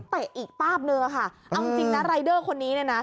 เตะอีกป้าบนึงอะค่ะเอาจริงนะรายเดอร์คนนี้เนี่ยนะ